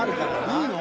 いいの？